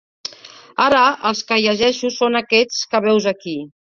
Ara els que llegeixo són aquests que veus aquí.